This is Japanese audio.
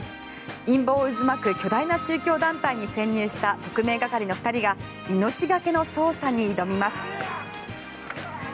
陰謀渦巻く巨大な宗教団体に潜入した特命係の２人が命がけの捜査に挑みます。